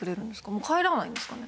もう帰らないんですかね？